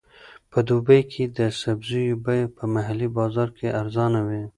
په دوبي کې د سبزیو بیه په محلي بازار کې ارزانه وي.